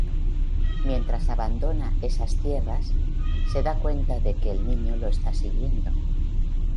Mientras abandona esas tierras, se da cuenta de que el niño lo está siguiendo.